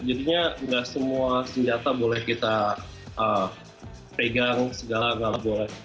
jadinya nggak semua senjata boleh kita pegang segala nggak boleh